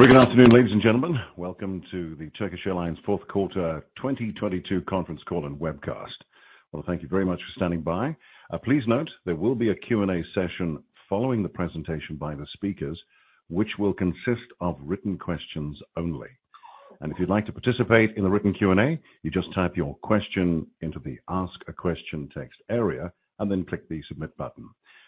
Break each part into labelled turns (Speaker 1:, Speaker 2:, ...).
Speaker 1: Very good afternoon, ladies and gentlemen. Welcome to the Turkish Airlines Q4 2022 conference call and webcast. Well, thank you very much for standing by. Please note there will be a Q&A session following the presentation by the speakers, which will consist of written questions only. If you'd like to participate in the written Q&A, you just type your question into the Ask a Question text area, and then click the Submit button.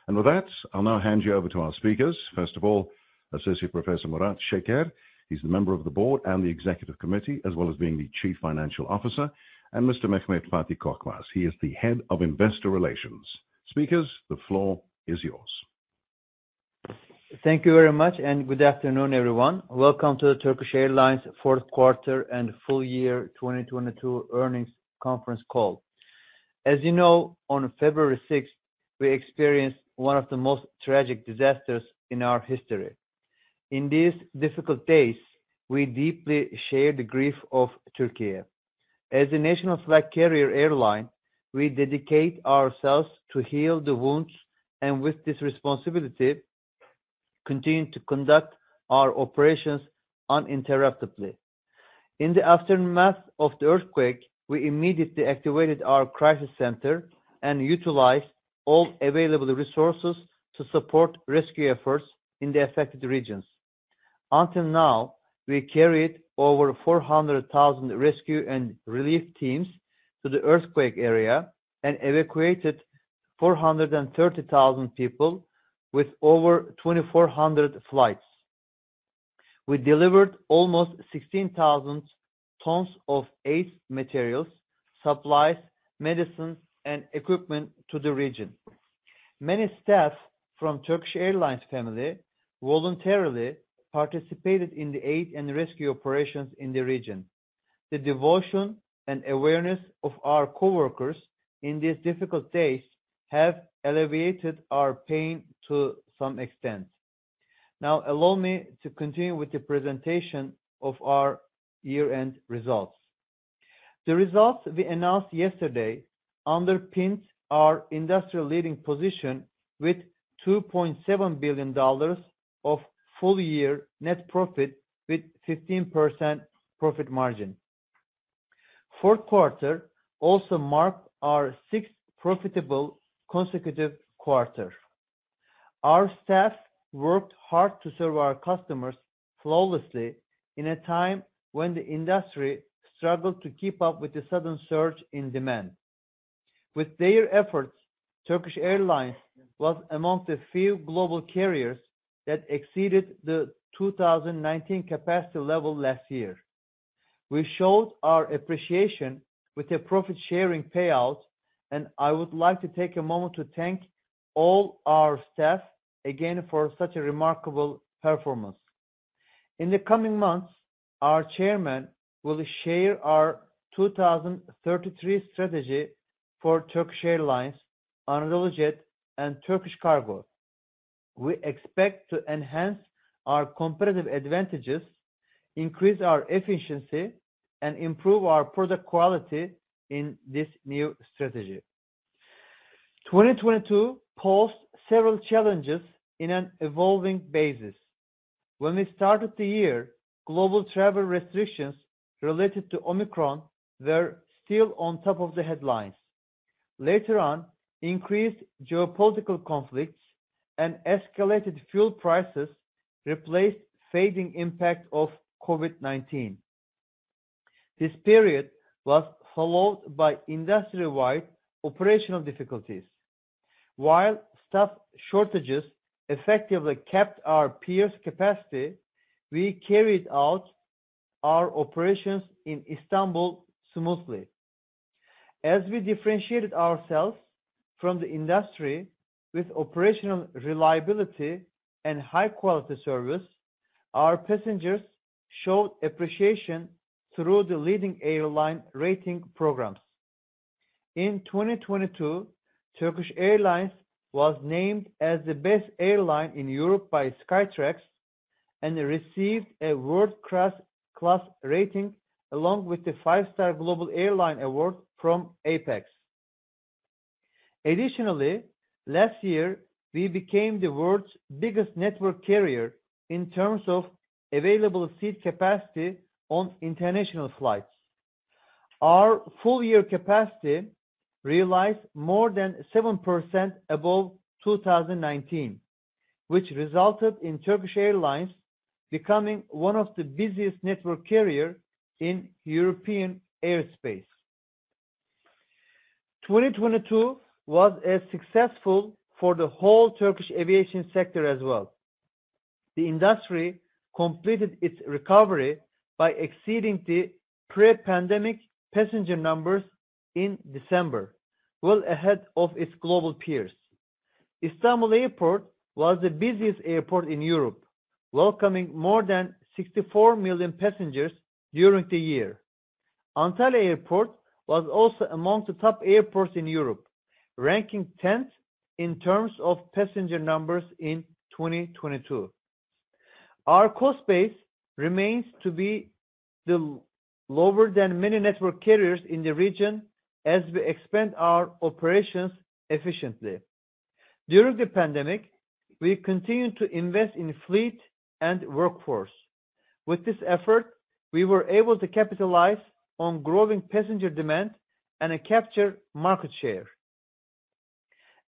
Speaker 1: With that, I'll now hand you over to our speakers. First of all, Associate Professor Murat Şeker. He's the Member of the Board and the Executive Committee, as well as being the Chief Financial Officer. Mr. Mehmet Fatih Korkmaz, he is the Head of Investor Relations. Speakers, the floor is yours.
Speaker 2: Thank you very much. Good afternoon, everyone. Welcome to the Turkish Airlines fourth quarter and full year 2022 earnings conference call. As you know, on February 6th, we experienced one of the most tragic disasters in our history. In these difficult days, we deeply share the grief of Türkiye. As a national flag carrier airline, we dedicate ourselves to heal the wounds. With this responsibility, continue to conduct our operations uninterruptedly. In the aftermath of the earthquake, we immediately activated our crisis center and utilized all available resources to support rescue efforts in the affected regions. Until now, we carried over 400,000 rescue and relief teams to the earthquake area and evacuated 430,000 people with over 2,400 flights. We delivered almost 16,000 tons of aid materials, supplies, medicines, and equipment to the region. Many staff from Turkish Airlines family voluntarily participated in the aid and rescue operations in the region. The devotion and awareness of our coworkers in these difficult days have alleviated our pain to some extent. Allow me to continue with the presentation of our year-end results. The results we announced yesterday underpinned our industry-leading position with $2.7 billion of full-year net profit with 15% profit margin. Fourth quarter also marked our sixth profitable consecutive quarter. Our staff worked hard to serve our customers flawlessly in a time when the industry struggled to keep up with the sudden surge in demand. With their efforts, Turkish Airlines was among the few global carriers that exceeded the 2019 capacity level last year. We showed our appreciation with a profit-sharing payout, and I would like to take a moment to thank all our staff again for such a remarkable performance. In the coming months, our Chairman will share our 2033 strategy for Turkish Airlines on AnadoluJet and Turkish Cargo. We expect to enhance our competitive advantages, increase our efficiency, and improve our product quality in this new strategy. 2022 posed several challenges in an evolving basis. When we started the year, global travel restrictions related to Omicron were still on top of the headlines. Later on, increased geopolitical conflicts and escalated fuel prices replaced fading impact of COVID-19. This period was followed by industry-wide operational difficulties. While staff shortages effectively kept our peers' capacity, we carried out our operations in Istanbul smoothly. As we differentiated ourselves from the industry with operational reliability and high-quality service, our passengers showed appreciation through the leading airline rating programs. In 2022, Turkish Airlines was named as the best airline in Europe by Skytrax and received a world-class rating, along with the Five-Star Global Airline Award from APEX. Additionally, last year, we became the world's biggest network carrier in terms of available seat capacity on international flights. Our full-year capacity realized more than 7% above 2019, which resulted in Turkish Airlines becoming one of the busiest network carrier in European airspace. 2022 was as successful for the whole Turkish aviation sector as well. The industry completed its recovery by exceeding the pre-pandemic passenger numbers in December, well ahead of its global peers. Istanbul Airport was the busiest airport in Europe, welcoming more than 64 million passengers during the year. Antalya Airport was also among the top airports in Europe, ranking 10th in terms of passenger numbers in 2022. Our cost base remains to be the lower than many network carriers in the region as we expand our operations efficiently. During the pandemic, we continued to invest in fleet and workforce. With this effort, we were able to capitalize on growing passenger demand and capture market share.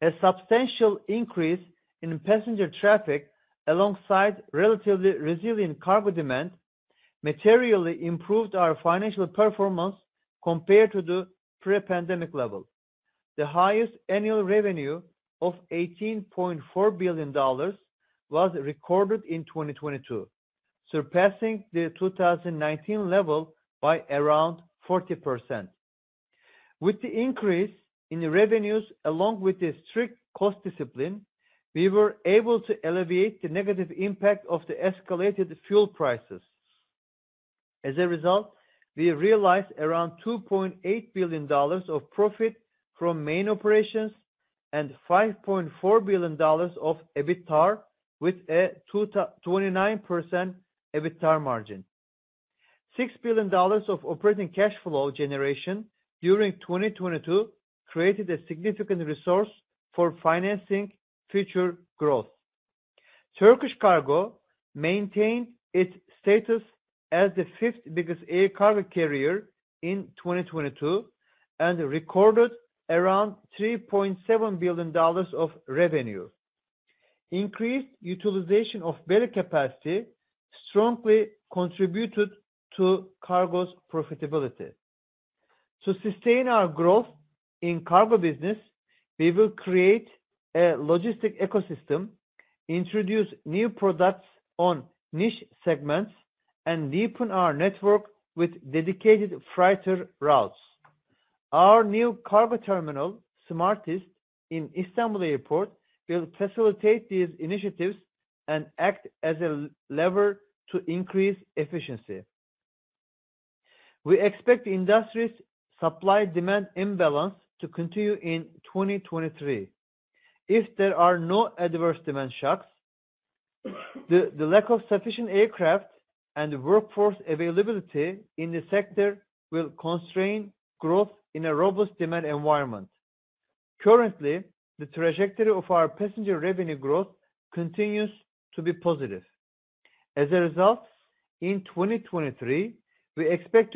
Speaker 2: A substantial increase in passenger traffic alongside relatively resilient cargo demand materially improved our financial performance compared to the pre-pandemic level. The highest annual revenue of $18.4 billion was recorded in 2022, surpassing the 2019 level by around 40%. With the increase in the revenues along with the strict cost discipline, we were able to alleviate the negative impact of the escalated fuel prices. As a result, we realized around $2.8 billion of profit from main operations and $5.4 billion of EBITDA with a 29% EBITDA margin. $6 billion of operating cash flow generation during 2022 created a significant resource for financing future growth. Turkish Cargo maintained its status as the fifth biggest air cargo carrier in 2022 and recorded around $3.7 billion of revenue. Increased utilization of belly capacity strongly contributed to cargo's profitability. To sustain our growth in cargo business, we will create a logistic ecosystem, introduce new products on niche segments, and deepen our network with dedicated freighter routes. Our new cargo terminal, SMARTIST, in Istanbul Airport, will facilitate these initiatives and act as a lever to increase efficiency. We expect the industry's supply-demand imbalance to continue in 2023. If there are no adverse demand shocks, the lack of sufficient aircraft and workforce availability in the sector will constrain growth in a robust demand environment. Currently, the trajectory of our passenger revenue growth continues to be positive. In 2023, we expect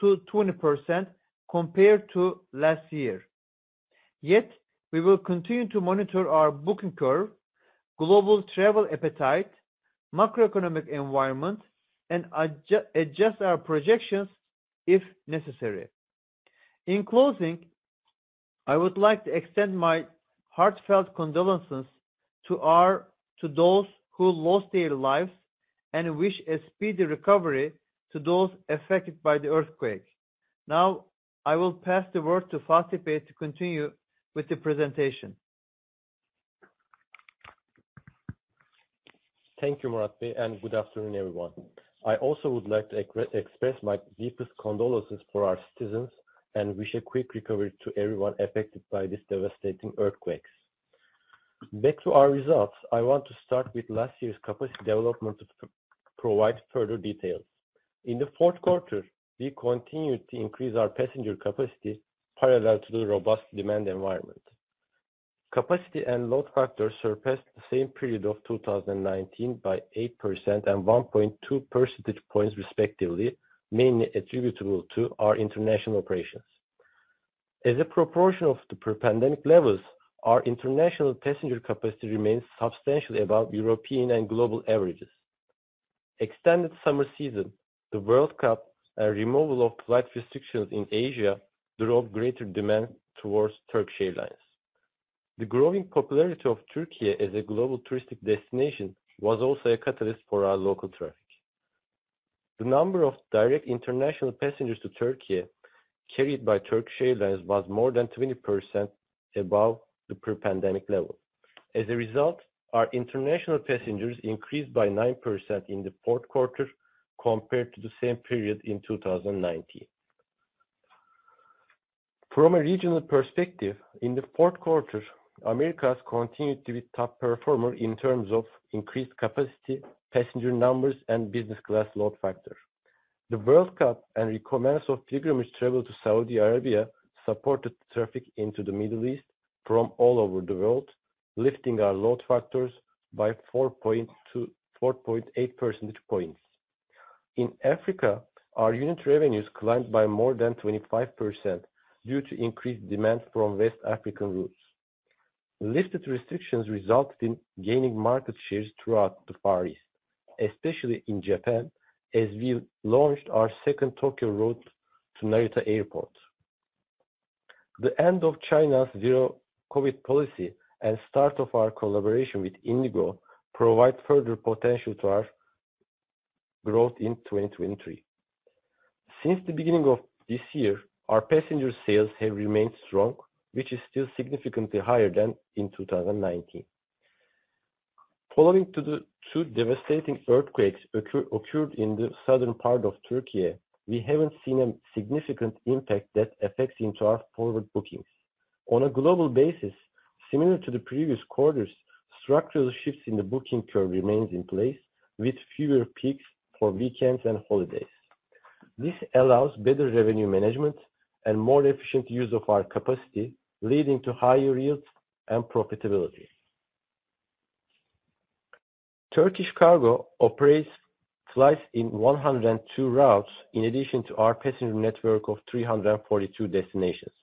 Speaker 2: to increase passenger capacity between 15%-20% compared to last year. We will continue to monitor our booking curve, global travel appetite, macroeconomic environment, and adjust our projections if necessary. In closing, I would like to extend my heartfelt condolences to those who lost their lives and wish a speedy recovery to those affected by the earthquake. I will pass the word to Fatih Bey to continue with the presentation.
Speaker 3: Thank you, Murat Bey, and good afternoon, everyone. I also would like to express my deepest condolences for our citizens and wish a quick recovery to everyone affected by this devastating earthquakes. Back to our results. I want to start with last year's capacity development to provide further details. In the fourth quarter, we continued to increase our passenger capacity parallel to the robust demand environment. Capacity and load factors surpassed the same period of 2019 by 8% and 1.2 percentage points respectively, mainly attributable to our international operations. As a proportion of the pre-pandemic levels, our international passenger capacity remains substantially above European and global averages. Extended summer season, the World Cup, and removal of flight restrictions in Asia drove greater demand towards Turkish Airlines. The growing popularity of Türkiye as a global touristic destination was also a catalyst for our local traffic. The number of direct international passengers to Türkiye carried by Turkish Airlines was more than 20% above the pre-pandemic level. Our international passengers increased by 9% in the fourth quarter compared to the same period in 2019. From a regional perspective, in the fourth quarter, Americas continued to be top performer in terms of increased capacity, passenger numbers, and business class load factor. The World Cup and recommence of pilgrimage travel to Saudi Arabia supported traffic into the Middle East from all over the world, lifting our load factors by 4.2 percentage points-4.8 percentage points. In Africa, our unit revenues climbed by more than 25% due to increased demand from West African routes. Lifted restrictions resulted in gaining market shares throughout the Far East, especially in Japan, as we launched our second Tokyo route to Narita Airport. The end of China's Zero-COVID policy and start of our collaboration with IndiGo provide further potential to our growth in 2023. Since the beginning of this year, our passenger sales have remained strong, which is still significantly higher than in 2019. Following to the two devastating earthquakes occurred in the southern part of Türkiye, we haven't seen a significant impact that affects into our forward bookings. Similar to the previous quarters, structural shifts in the booking curve remains in place with fewer peaks for weekends and holidays. This allows better revenue management and more efficient use of our capacity, leading to higher yields and profitability. Turkish Cargo operates flights in 102 routes in addition to our passenger network of 342 destinations.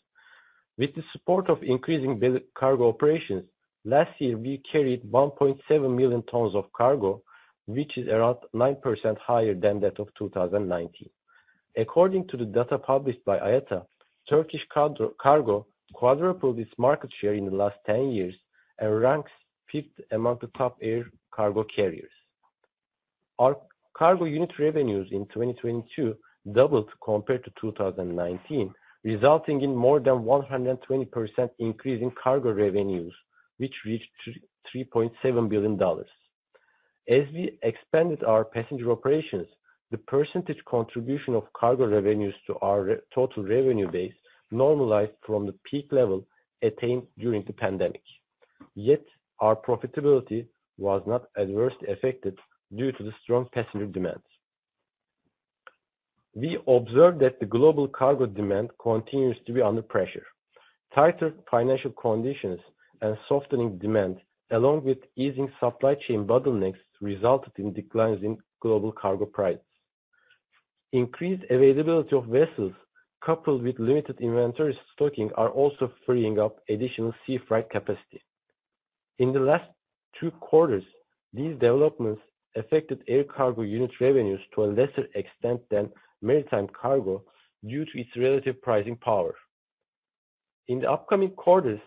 Speaker 3: With the support of increasing cargo operations, last year, we carried 1.7 million tons of cargo, which is around 9% higher than that of 2019. According to the data published by IATA, Turkish Cargo quadrupled its market share in the last 10 years and ranks 5th among the top air cargo carriers. Our cargo unit revenues in 2022 doubled compared to 2019, resulting in more than 120% increase in cargo revenues, which reached $3.7 billion. As we expanded our passenger operations, the percentage contribution of cargo revenues to our total revenue base normalized from the peak level attained during the pandemic. Yet our profitability was not adversely affected due to the strong passenger demands. We observed that the global cargo demand continues to be under pressure. Tighter financial conditions and softening demand, along with easing supply chain bottlenecks, resulted in declines in global cargo prices. Increased availability of vessels, coupled with limited inventory stocking, are also freeing up additional sea freight capacity. In the last two quarters, these developments affected air cargo unit revenues to a lesser extent than maritime cargo due to its relative pricing power. In the upcoming quarters,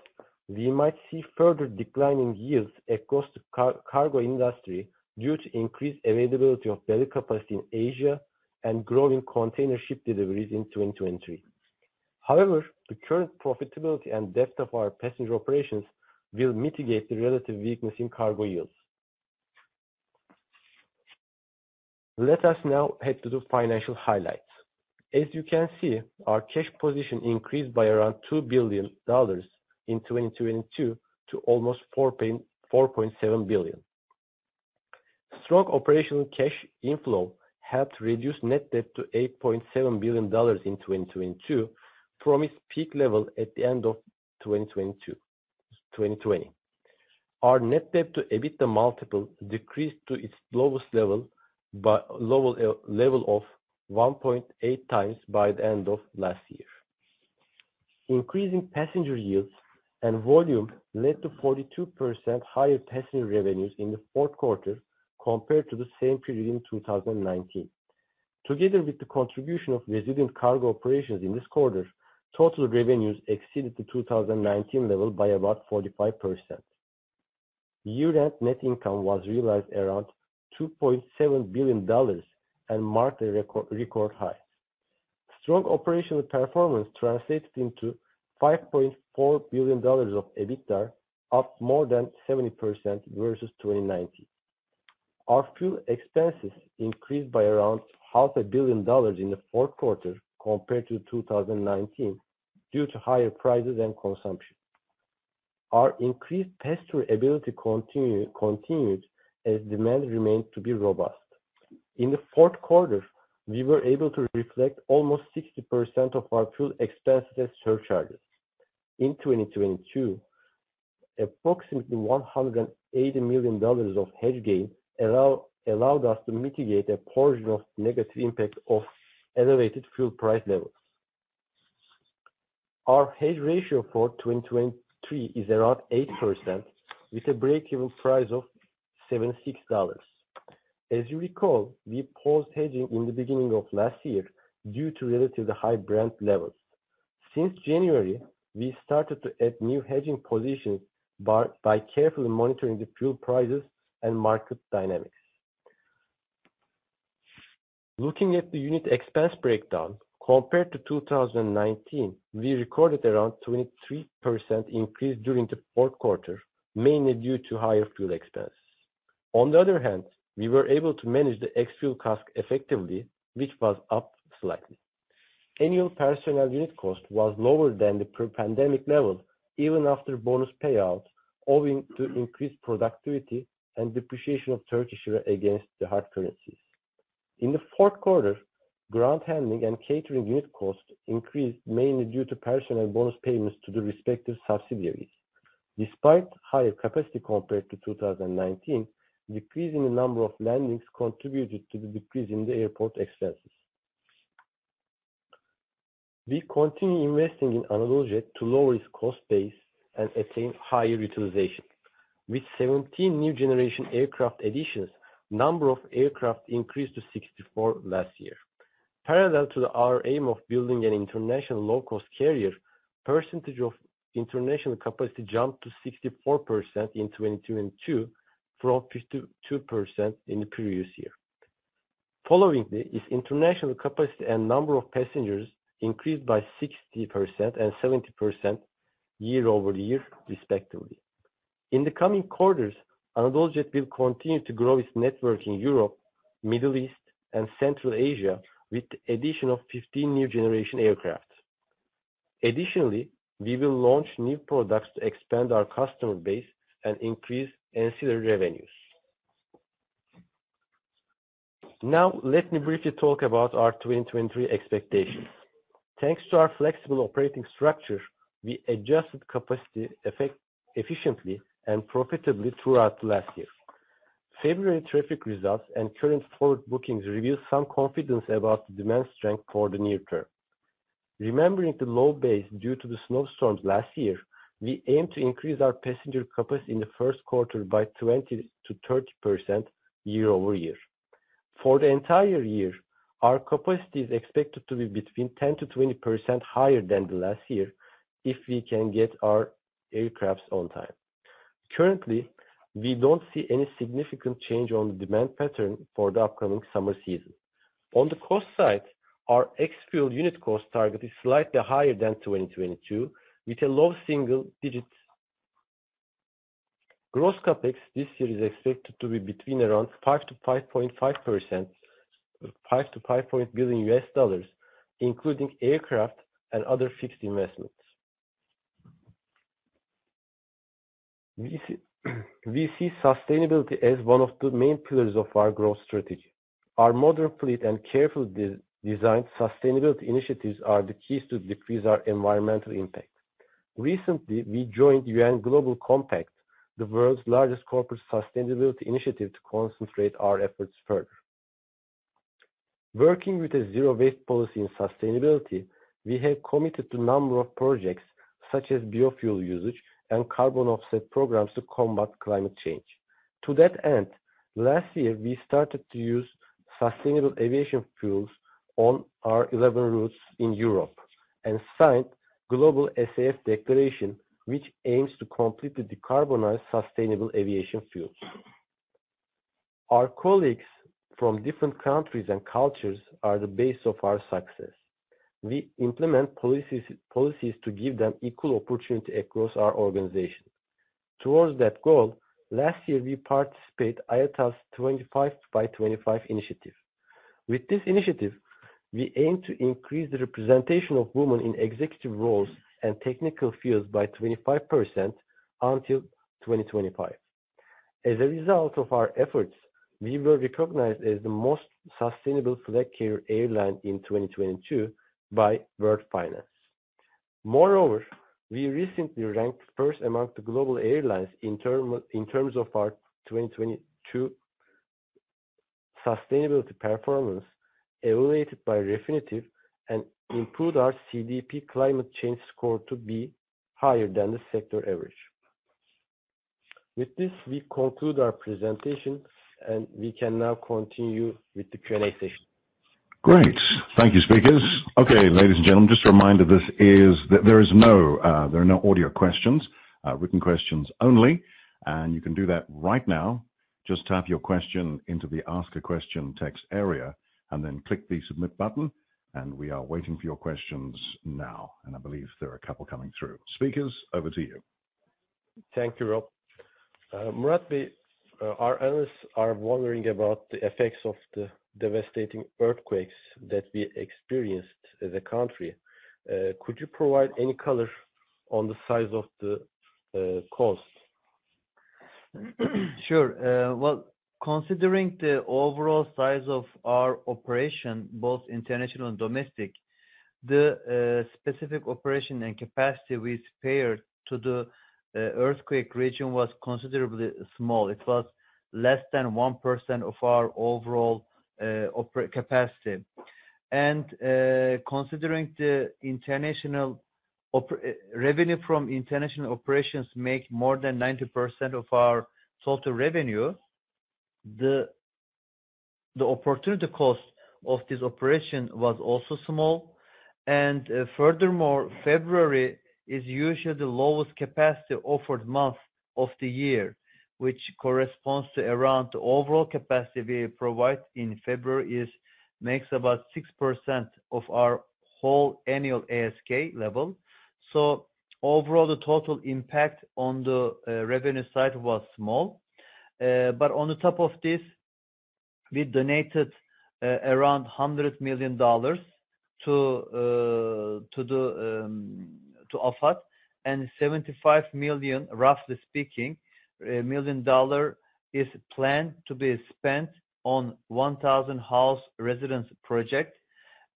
Speaker 3: we might see further declining yields across the cargo industry due to increased availability of belly capacity in Asia and growing container ship deliveries in 2023. However, the current profitability and depth of our passenger operations will mitigate the relative weakness in cargo yields. Let us now head to the financial highlights. As you can see, our cash position increased by around $2 billion in 2022 to almost $4.7 billion. Strong operational cash inflow helped reduce net debt to $8.7 billion in 2022 from its peak level at the end of 2020. Our net debt to EBITDA multiple decreased to its lowest level of 1.8x by the end of last year. Increasing passenger yields and volume led to 42% higher passenger revenues in the fourth quarter compared to the same period in 2019. Together with the contribution of resilient cargo operations in this quarter, total revenues exceeded the 2019 level by about 45%. Year-end net income was realized around $2.7 billion and marked a record high. Strong operational performance translated into $5.4 billion of EBITDA, up more than 70% versus 2019. Our fuel expenses increased by around half a billion dollars in the fourth quarter compared to 2019 due to higher prices and consumption. Our increased pass-through ability continues as demand remained to be robust. In the fourth quarter, we were able to reflect almost 60% of our fuel expenses surcharges. In 2022, approximately $180 million of hedge gain allowed us to mitigate a portion of negative impact of elevated fuel price levels. Our hedge ratio for 2023 is around 8% with a break-even price of $76. As you recall, we paused hedging in the beginning of last year due to relatively high Brent levels. Since January, we started to add new hedging positions by carefully monitoring the fuel prices and market dynamics. Looking at the unit expense breakdown, compared to 2019, we recorded around 23% increase during the fourth quarter, mainly due to higher fuel expense. On the other hand, we were able to manage the ex-fuel CASK effectively, which was up slightly. Annual personnel unit cost was lower than the pre-pandemic level, even after bonus payouts, owing to increased productivity and depreciation of Turkish lira against the hard currencies. In the fourth quarter, ground handling and catering unit costs increased mainly due to personnel bonus payments to the respective subsidiaries. Despite higher capacity compared to 2019, decrease in the number of landings contributed to the decrease in the airport expenses. We continue investing in AnadoluJet to lower its cost base and attain higher utilization. With 17 new-generation aircraft additions, number of aircraft increased to 64 last year. Parallel to our aim of building an international low-cost carrier, percentage of international capacity jumped to 64% in 2022 from 52% in the previous year. Following this, international capacity and number of passengers increased by 60% and 70% year-over-year, respectively. In the coming quarters, AnadoluJet will continue to grow its network in Europe, Middle East, and Central Asia with the addition of 15 new-generation aircraft. Additionally, we will launch new products to expand our customer base and increase ancillary revenues. Now, let me briefly talk about our 2023 expectations. Thanks to our flexible operating structure, we adjusted capacity efficiently and profitably throughout the last year. February traffic results and current forward bookings reveal some confidence about the demand strength for the near term. Remembering the low base due to the snowstorms last year, we aim to increase our passenger capacity in the first quarter by 20%-30% year-over-year. For the entire year, our capacity is expected to be between 10%-20% higher than the last year if we can get our aircrafts on time. Currently, we don't see any significant change on the demand pattern for the upcoming summer season. On the cost side, our ex-fuel unit cost target is slightly higher than 2022, with a low single digits. Gross CapEx this year is expected to be between around $5 billion-$5.5 billion, including aircraft and other fixed investments. We see sustainability as one of the main pillars of our growth strategy. Our modern fleet and carefully designed sustainability initiatives are the keys to decrease our environmental impact. Recently, we joined UN Global Compact, the world's largest corporate sustainability initiative, to concentrate our efforts further. Working with a zero-waste policy in sustainability, we have committed to a number of projects such as biofuel usage and carbon offset programs to combat climate change. To that end, last year we started to use sustainable aviation fuels on our 11 routes in Europe and signed Global SAF Declaration, which aims to completely decarbonize sustainable aviation fuels. Our colleagues from different countries and cultures are the base of our success. We implement policies to give them equal opportunity across our organization. Towards that goal, last year, we participated IATA's 25by2025 initiative. With this initiative, we aim to increase the representation of women in executive roles and technical fields by 25% until 2025. As a result of our efforts, we were recognized as the most sustainable flag carrier airline in 2022 by World Finance. Moreover, we recently ranked first among the global airlines in terms of our 2022 sustainability performance evaluated by Refinitiv, and improved our CDP climate change score to be higher than the sector average. With this, we conclude our presentation, and we can now continue with the Q&A session.
Speaker 1: Great. Thank you, speakers. Okay, ladies and gentlemen, just a reminder. There are no audio questions, written questions only. You can do that right now. Just type your question into the Ask a question text area and then click the Submit button. We are waiting for your questions now. I believe there are a couple coming through. Speakers, over to you.
Speaker 3: Thank you, Rob. Murat, our analysts are wondering about the effects of the devastating earthquakes that we experienced as a country. Could you provide any color on the size of the cost?
Speaker 2: Sure. Well, considering the overall size of our operation, both international and domestic, the specific operation and capacity we spared to the earthquake region was considerably small. It was less than 1% of our overall capacity. Considering the international Revenue from international operations make more than 90% of our total revenue, the opportunity cost of this operation was also small. Furthermore, February is usually the lowest capacity offered month of the year, which corresponds to around the overall capacity we provide in February makes about 6% of our whole annual ASK level. Overall, the total impact on the revenue side was small. On top of this, we donated, around $100 million to AFAD, and $75 million, roughly speaking, $1 million is planned to be spent on 1,000 house residence project.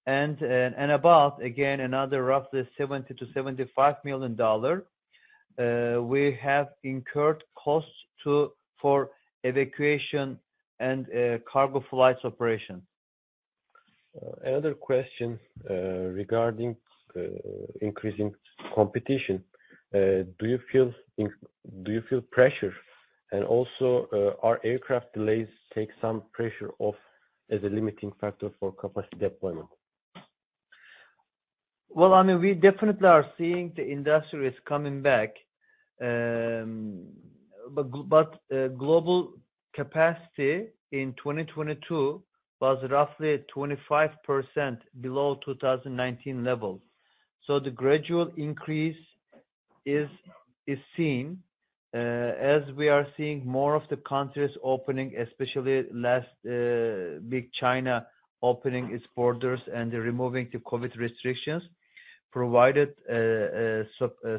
Speaker 2: About, again, another roughly $70 million-$75 million, we have incurred costs for evacuation and cargo flights operation.
Speaker 3: Another question regarding increasing competition. Do you feel pressure? Also, our aircraft delays take some pressure off as a limiting factor for capacity deployment?
Speaker 2: Well, I mean, we definitely are seeing the industry is coming back. But global capacity in 2022 was roughly at 25% below 2019 levels. The gradual increase is seen as we are seeing more of the countries opening, especially last, big China opening its borders and removing the COVID restrictions, provided a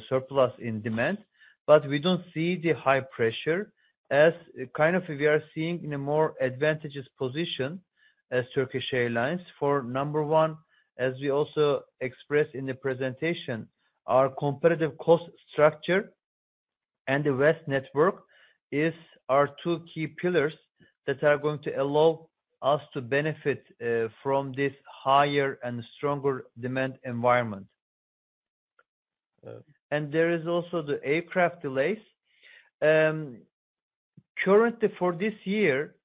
Speaker 2: surplus in demand. We don't see the high pressure as kind of we are seeing in a more advantageous position as Turkish Airlines. For number one, as we also expressed in the presentation, our competitive cost structure and the vast network is our two key pillars that are going to allow us to benefit from this higher and stronger demand environment. There is also the aircraft delays. Currently for this year,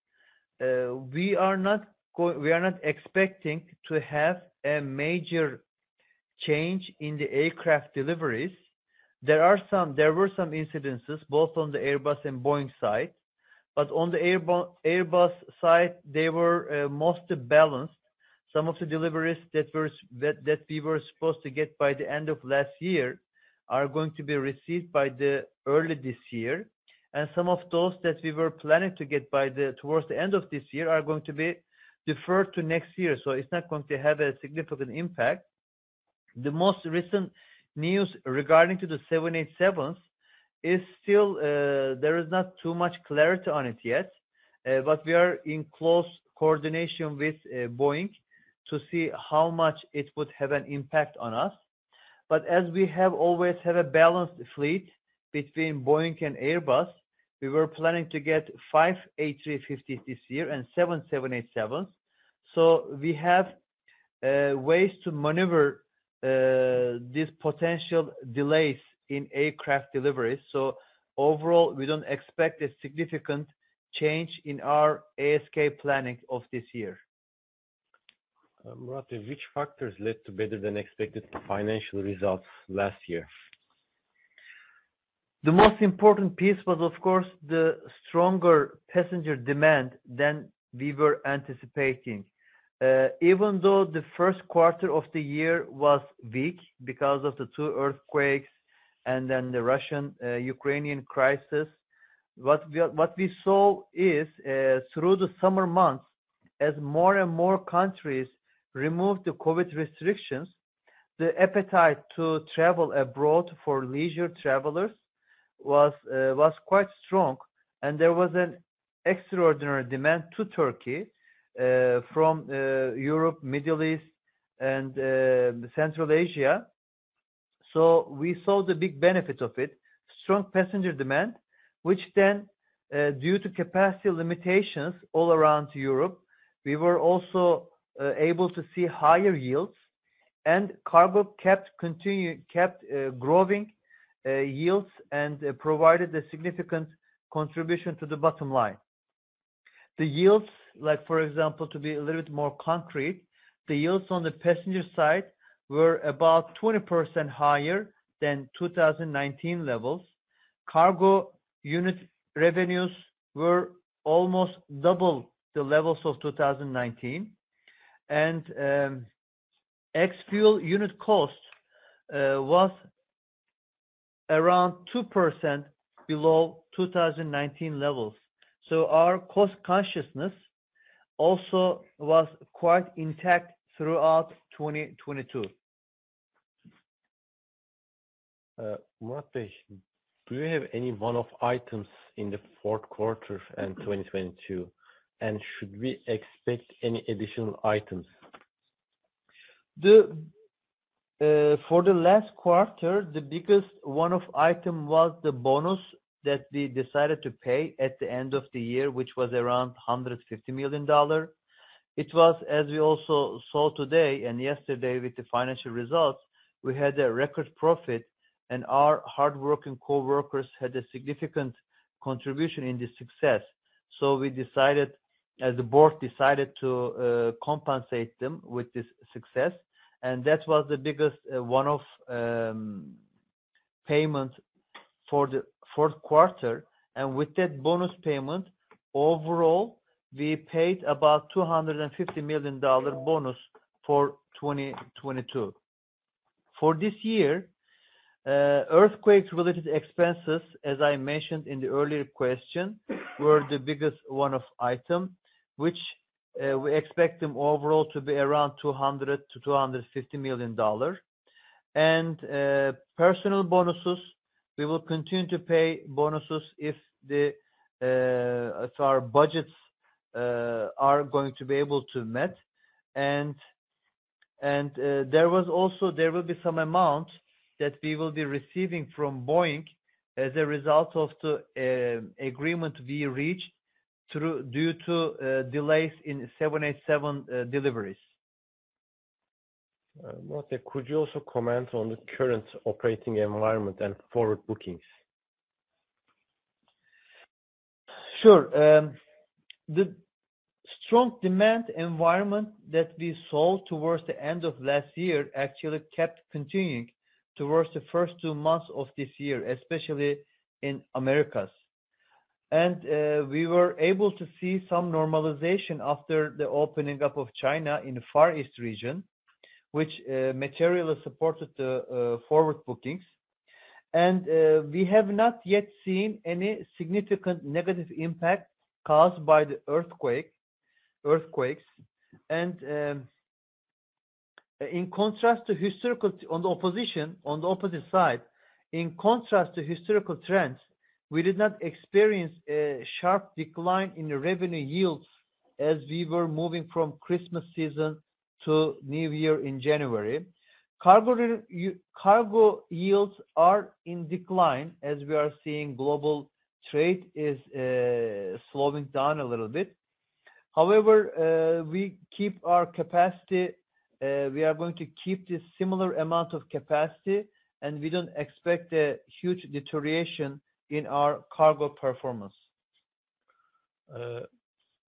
Speaker 2: we are not expecting to have a major change in the aircraft deliveries. There were some incidences both on the Airbus and Boeing side, but on the Airbus side, they were mostly balanced. Some of the deliveries that we were supposed to get by the end of last year are going to be received by the early this year, and some of those that we were planning to get towards the end of this year are going to be deferred to next year. It's not going to have a significant impact. The most recent news regarding to the 787s is still, there is not too much clarity on it yet, but we are in close coordination with Boeing to see how much it would have an impact on us. As we always have a balanced fleet between Boeing and Airbus, we were planning to get five A350s this year and seven 787s. We have ways to maneuver these potential delays in aircraft deliveries. Overall, we don't expect a significant change in our ASK planning of this year.
Speaker 3: Murat, which factors led to better than expected financial results last year?
Speaker 2: The most important piece was of course the stronger passenger demand than we were anticipating. Even though the first quarter of the year was weak because of the two earthquakes and then the Russian, Ukrainian crisis, what we saw is, through the summer months, as more and more countries removed the COVID restrictions, the appetite to travel abroad for leisure travelers was quite strong. There was an extraordinary demand to Türkiye, from Europe, Middle East and Central Asia. We saw the big benefit of it, strong passenger demand, which then, due to capacity limitations all around Europe, we were also able to see higher yields. Cargo kept growing yields and provided a significant contribution to the bottom line. The yields, like for example, to be a little bit more concrete, the yields on the passenger side were about 20% higher than 2019 levels. Cargo unit revenues were almost double the levels of 2019. Ex-fuel unit cost was around 2% below 2019 levels. Our cost consciousness also was quite intact throughout 2022.
Speaker 3: Murat, do you have any one-off items in the fourth quarter and 2022, and should we expect any additional items?
Speaker 2: The for the last quarter, the biggest one-off item was the bonus that we decided to pay at the end of the year, which was around $150 million. It was as we also saw today and yesterday with the financial results, we had a record profit and our hardworking coworkers had a significant contribution in this success. We decided, as the Board decided to compensate them with this success, and that was the biggest one-off payment for the fourth quarter. With that bonus payment, overall, we paid about $250 million bonus for 2022. For this year, earthquake-related expenses, as I mentioned in the earlier question, were the biggest one-off item, which we expect them overall to be around $200 million-$250 million. Personal bonuses, we will continue to pay bonuses if our budgets are going to be able to meet. There will be some amount that we will be receiving from Boeing as a result of the agreement we reached due to delays in 787 deliveries.
Speaker 3: Murat, could you also comment on the current operating environment and forward bookings?
Speaker 2: Sure. The strong demand environment that we saw towards the end of last year actually kept continuing towards the first two months of this year, especially in Americas. We were able to see some normalization after the opening up of China in the Far East region, which materially supported the forward bookings. We have not yet seen any significant negative impact caused by the earthquakes. In contrast to historical trends, we did not experience a sharp decline in the revenue yields as we were moving from Christmas season to New Year in January. Cargo yields are in decline as we are seeing global trade is slowing down a little bit. However, we keep our capacity, we are going to keep the similar amount of capacity, and we don't expect a huge deterioration in our cargo performance.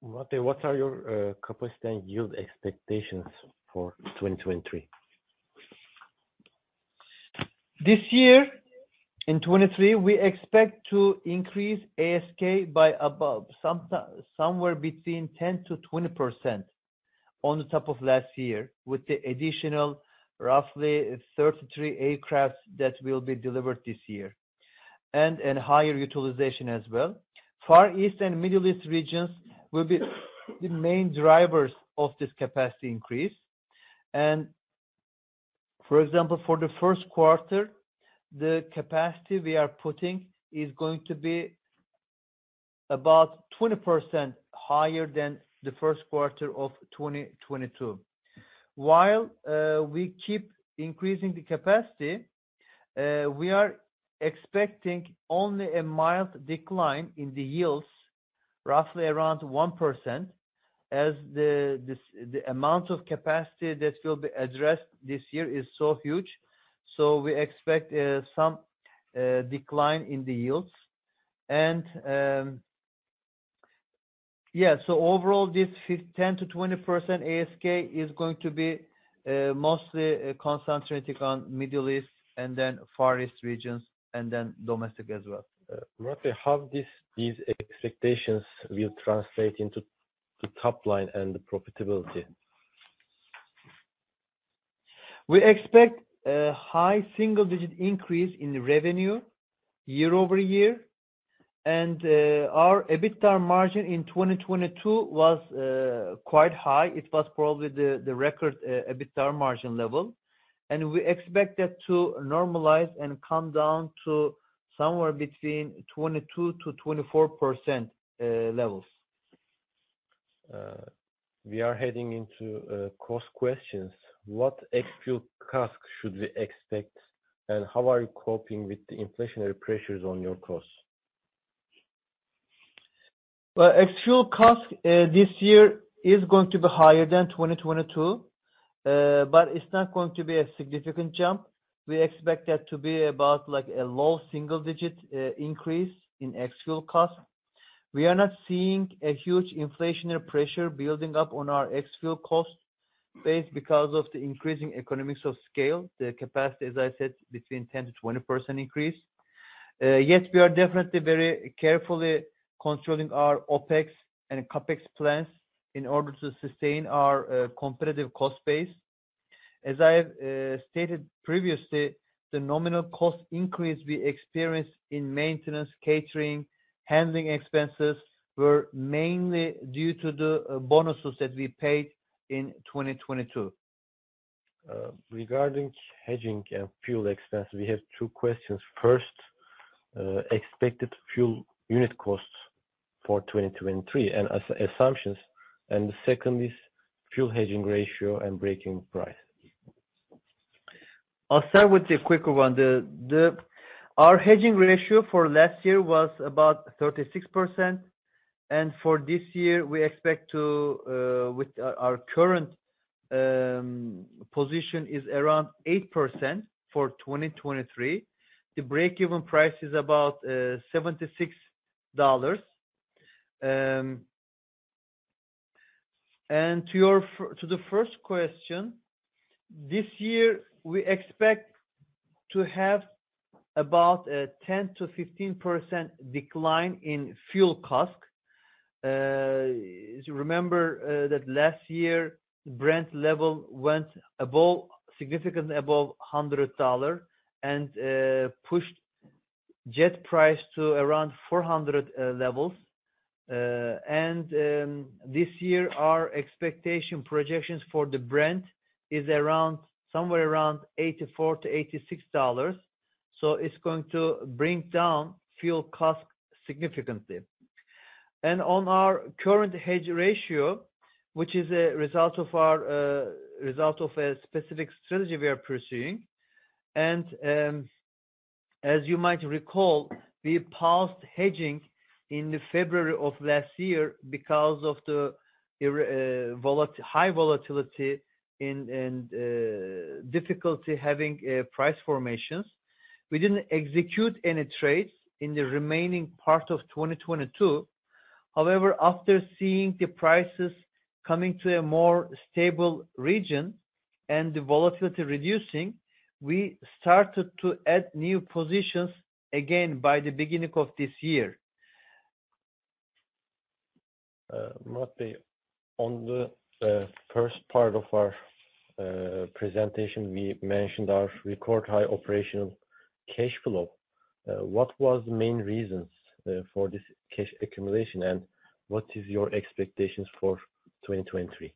Speaker 3: What are your capacity and yield expectations for 2023?
Speaker 2: This year, in 2023, we expect to increase ASK by somewhere between 10%-20% on the top of last year, with the additional roughly 33 aircraft that will be delivered this year, and higher utilization as well. Far East and Middle East regions will be the main drivers of this capacity increase. For example, for the first quarter, the capacity we are putting is going to be about 20% higher than the first quarter of 2022. While we keep increasing the capacity, we are expecting only a mild decline in the yields, roughly around 1%, as the amount of capacity that will be addressed this year is so huge, so we expect some decline in the yields. Yeah. Overall, this 10%-20% ASK is going to be mostly concentrated on Middle East and then Far East regions and then domestic as well.
Speaker 3: Murat, how this, these expectations will translate into the top line and the profitability?
Speaker 2: We expect a high single-digit increase in revenue year-over-year. Our EBITDA margin in 2022 was quite high. It was probably the record EBITDA margin level. We expect that to normalize and come down to somewhere between 22%-24% levels.
Speaker 3: We are heading into cost questions. What ex-fuel CASK should we expect? How are you coping with the inflationary pressures on your costs?
Speaker 2: Well, ex-fuel CASK, this year is going to be higher than 2022, but it's not going to be a significant jump. We expect that to be about like a low single-digit increase in ex-fuel CASK. We are not seeing a huge inflationary pressure building up on our ex-fuel cost base because of the increasing economics of scale, the capacity, as I said, between 10%-20% increase. Yes, we are definitely very carefully controlling our OpEx and CapEx plans in order to sustain our competitive cost base. As I have stated previously, the nominal cost increase we experienced in maintenance, catering, handling expenses were mainly due to the bonuses that we paid in 2022.
Speaker 3: Regarding hedging and fuel expense, we have two questions. First, expected fuel unit costs for 2023 and assumptions, and the second is fuel hedging ratio and breaking price.
Speaker 2: I'll start with the quicker one. The Our hedging ratio for last year was about 36%. For this year, we expect to with our current position is around 8% for 2023. The break-even price is about $76. To the first question, this year, we expect to have about a 10%-15% decline in fuel CASK. As you remember, that last year, Brent level went above, significantly above $100. Pushed jet price to around $400 levels. This year, our expectation projections for the Brent is around, somewhere around $84-$86. It's going to bring down fuel CASK significantly. On our current hedge ratio, which is a result of a specific strategy we are pursuing. As you might recall, we paused hedging in February of last year because of the high volatility and difficulty having price formations. We didn't execute any trades in the remaining part of 2022. However, after seeing the prices coming to a more stable region and the volatility reducing, we started to add new positions again by the beginning of this year.
Speaker 3: Murat, on the first part of our presentation, we mentioned our record high operational cash flow. What was the main reasons for this cash accumulation, and what is your expectations for 2023?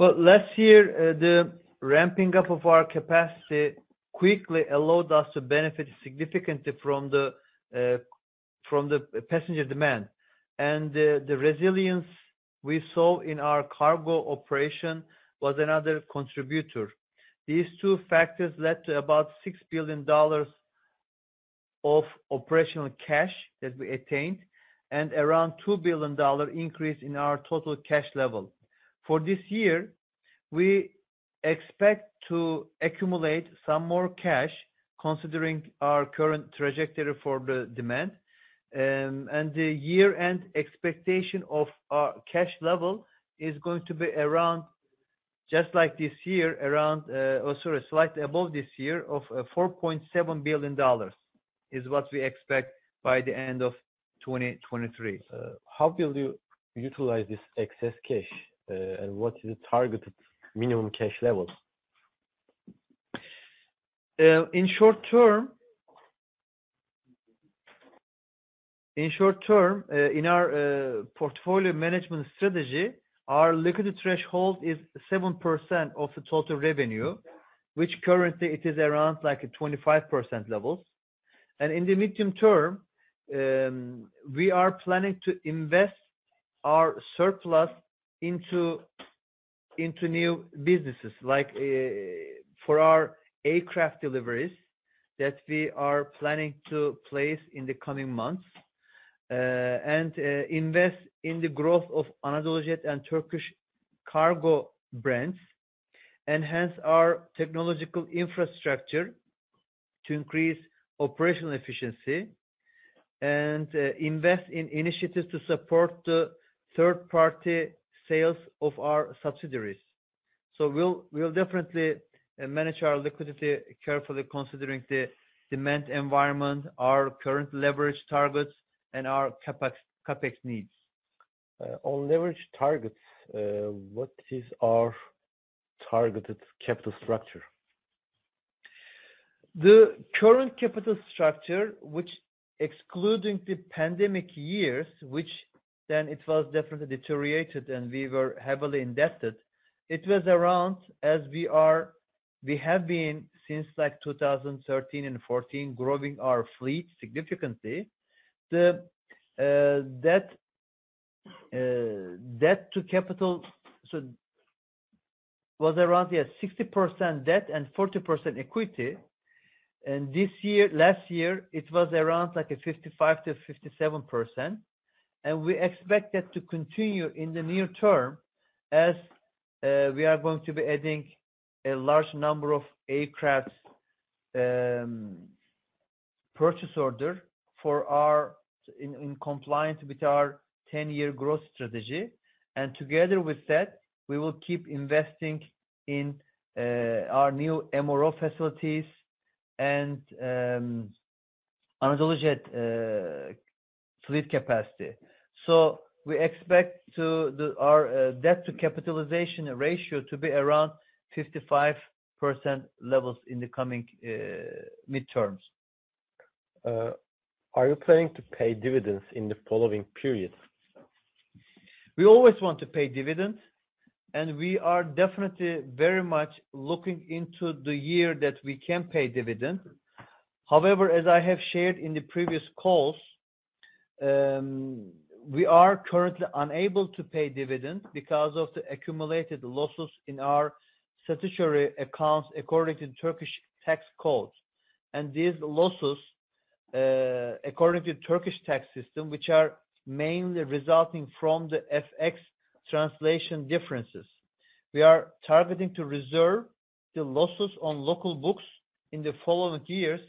Speaker 2: Well, last year, the ramping up of our capacity quickly allowed us to benefit significantly from the passenger demand. The resilience we saw in our cargo operation was another contributor. These two factors led to about $6 billion of operational cash that we attained, and around $2 billion increase in our total cash level. For this year, we expect to accumulate some more cash considering our current trajectory for the demand. The year-end expectation of our cash level is going to be around, just like this year, slightly above this year of $4.7 billion, is what we expect by the end of 2023.
Speaker 3: How will you utilize this excess cash, and what is the targeted minimum cash levels?
Speaker 2: In short term, in our portfolio management strategy, our liquidity threshold is 7% of the total revenue, which currently it is around like a 25% levels. In the medium term, we are planning to invest our surplus into new businesses, like for our aircraft deliveries that we are planning to place in the coming months. Invest in the growth of AnadoluJet and Turkish Cargo brands, enhance our technological infrastructure to increase operational efficiency, and invest in initiatives to support the third-party sales of our subsidiaries. We'll definitely manage our liquidity carefully considering the demand environment, our current leverage targets, and our CapEx needs.
Speaker 3: On leverage targets, what is our targeted capital structure?
Speaker 2: The current capital structure, which excluding the pandemic years, which then it was definitely deteriorated and we were heavily indebted, it was around as we have been since like 2013 and 2014, growing our fleet significantly. The debt to capital so was around, yeah, 60% debt and 40% equity. Last year, it was around like a 55%-57%. We expect that to continue in the near term as we are going to be adding a large number of aircrafts, purchase order in compliance with our 10-year growth strategy. Together with that, we will keep investing in our new MRO facilities and AnadoluJet fleet capacity. We expect our debt to capitalization ratio to be around 55% levels in the coming midterms.
Speaker 3: Are you planning to pay dividends in the following periods?
Speaker 2: We always want to pay dividends. We are definitely very much looking into the year that we can pay dividend. However, as I have shared in the previous calls, we are currently unable to pay dividends because of the accumulated losses in our statutory accounts according to Turkish Commercial Code. These losses, according to Turkish tax system, which are mainly resulting from the FX translation differences. We are targeting to reserve the losses on local books in the following years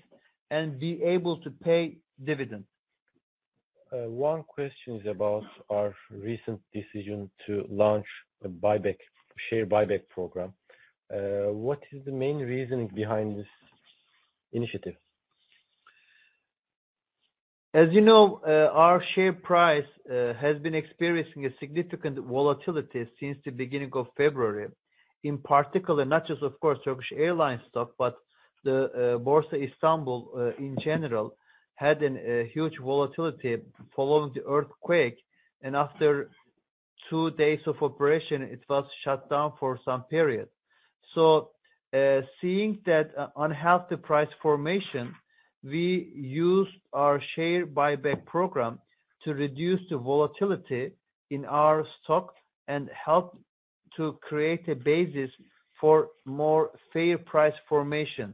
Speaker 2: and be able to pay dividends.
Speaker 3: One question is about our recent decision to launch a buyback, share buyback program. What is the main reasoning behind this initiative?
Speaker 2: As you know, our share price has been experiencing a significant volatility since the beginning of February. In particular, not just of course, Turkish Airlines stock, but the Borsa İstanbul in general, had an huge volatility following the earthquake. After two days of operation, it was shut down for some period. Seeing that unhealthy price formation, we used our share buyback program to reduce the volatility in our stock and help to create a basis for more fair price formation.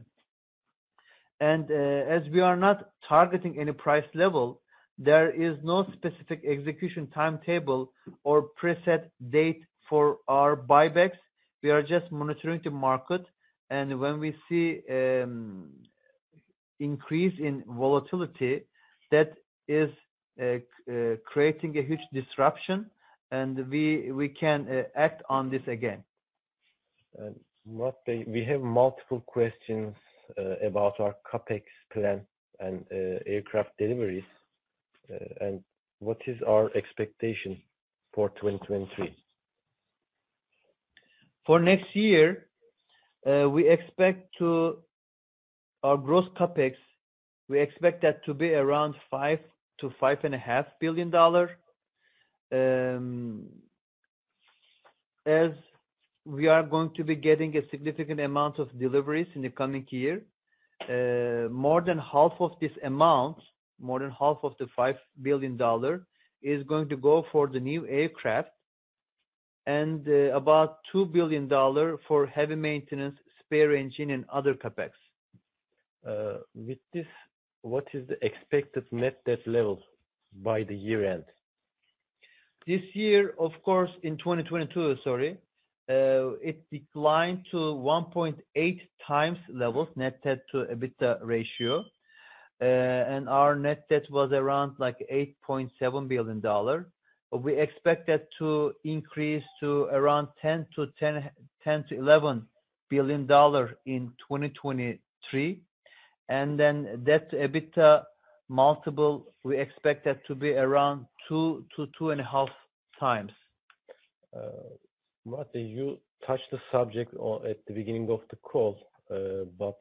Speaker 2: As we are not targeting any price level, there is no specific execution timetable or preset date for our buybacks. We are just monitoring the market, and when we see Increase in volatility that is creating a huge disruption, and we can act on this again.
Speaker 3: One thing, we have multiple questions about our CapEx plan and aircraft deliveries. What is our expectation for 2023?
Speaker 2: For next year, Our gross CapEx, we expect that to be around $5 billion-$5.5 billion. As we are going to be getting a significant amount of deliveries in the coming year, more than half of this amount, more than half of the $5 billion is going to go for the new aircraft, and about $2 billion for heavy maintenance, spare engine, and other CapEx.
Speaker 3: With this, what is the expected net debt level by the year-end?
Speaker 2: This year, of course, in 2022, sorry, it declined to 1.8x levels net debt to EBITDA ratio. Our net debt was around like $8.7 billion. We expect that to increase to around $10 billion-$11 billion in 2023. Then debt to EBITDA multiple, we expect that to be around 2x-2.5x.
Speaker 3: You touched the subject on at the beginning of the call, but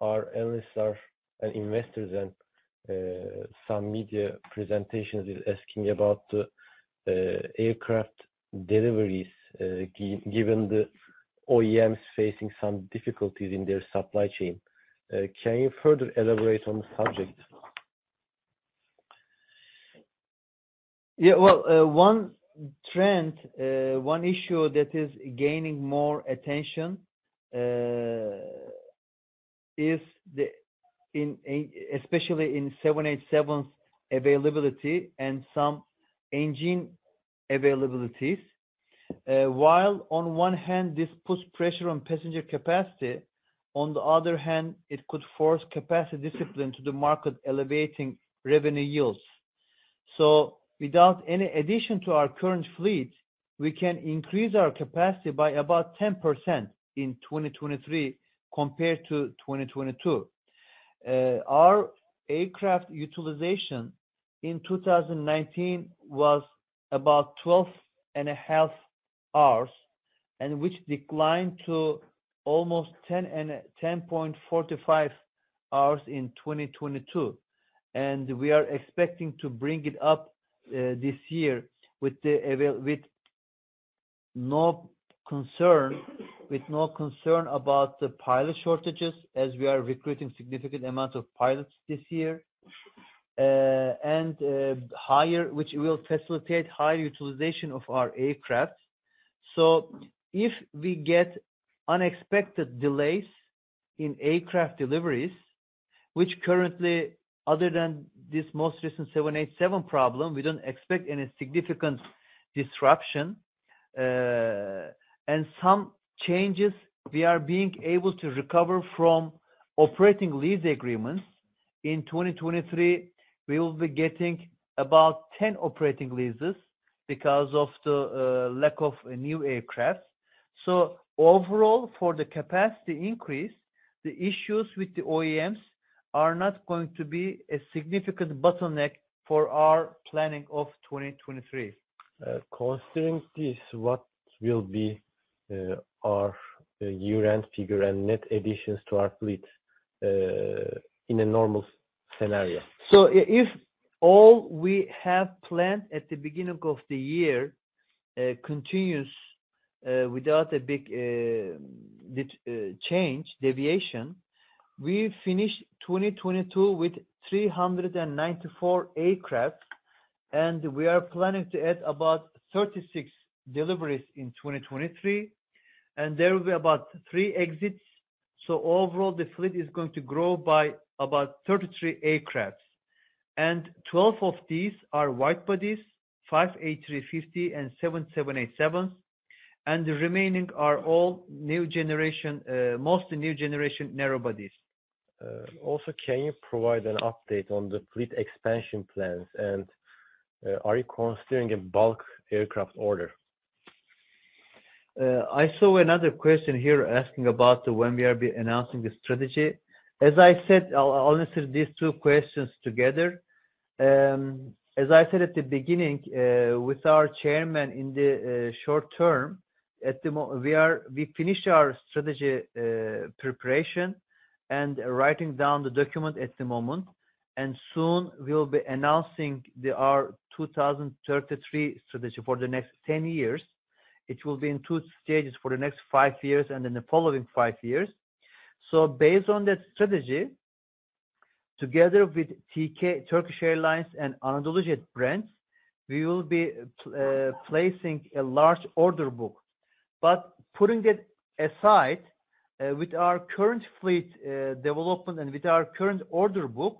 Speaker 3: our analysts are investors and some media presentations is asking about the aircraft deliveries, given the OEMs facing some difficulties in their supply chain. Can you further elaborate on the subject?
Speaker 2: Well, one trend, one issue that is gaining more attention, especially in 787s availability and some engine availabilities. While on one hand this puts pressure on passenger capacity, on the other hand, it could force capacity discipline to the market elevating revenue yields. Without any addition to our current fleet, we can increase our capacity by about 10% in 2023 compared to 2022. Our aircraft utilization in 2019 was about 12 and a half hours, which declined to almost 10.45 hours in 2022. We are expecting to bring it up this year with no concern about the pilot shortages as we are recruiting significant amount of pilots this year. Higher which will facilitate higher utilization of our aircraft. If we get unexpected delays in aircraft deliveries, which currently other than this most recent 787 problem, we don't expect any significant disruption. Some changes we are being able to recover from operating lease agreements. In 2023, we will be getting about 10 operating leases because of the lack of new aircraft. Overall, for the capacity increase, the issues with the OEMs are not going to be a significant bottleneck for our planning of 2023.
Speaker 3: Considering this, what will be our year-end figure and net additions to our fleet, in a normal scenario?
Speaker 2: If all we have planned at the beginning of the year, continues without a big dip, change, deviation, we finished 2022 with 394 aircraft, we are planning to add about 36 deliveries in 2023, there will be about three exits. Overall the fleet is going to grow by about 33 aircrafts. 12 of these are wide-bodies, five A350 and seven 787s, the remaining are all new-generation, mostly new-generation narrow-bodies.
Speaker 3: Can you provide an update on the fleet expansion plans, and are you considering a bulk aircraft order?
Speaker 2: I saw another question here asking about when we are be announcing the strategy. As I said, I'll answer these two questions together. As I said at the beginning, with our Chairman in the short term, we finish our strategy preparation and writing down the document at the moment, and soon we will be announcing the our 2033 strategy for the next 10 years. It will be in two stages for the next five years and then the following five years. Based on that strategy, together with TK, Turkish Airlines and AnadoluJet brands, we will be placing a large order book. Putting it aside, with our current fleet, development and with our current order book,